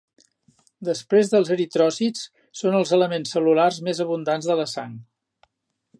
Després dels eritròcits són els elements cel·lulars més abundants de la sang.